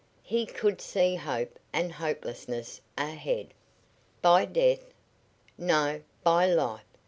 He could see hope and hopelessness ahead. "By death!" "No; by life!